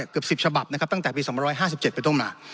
เกือบ๑๐ฉบับนะครับตั้งแต่ปี๒๕๗ไปต้นมา